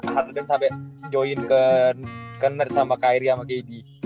harden sampe join ke nerd sama kairi sama kd